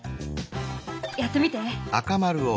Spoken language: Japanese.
やってみて。